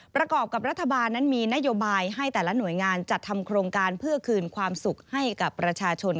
ประกอบกับรัฐบาลนั้นมีนโยบายให้แต่ละหน่วยงานจัดทำโครงการเพื่อคืนความสุขให้กับประชาชน